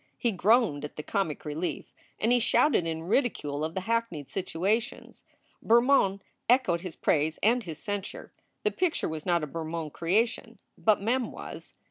He groaned at the comic relief and he shouted in ridicule of the hackneyed situations. Bermond echoed his praise and his censure. The picture was not a Bermond creation, but Mem was.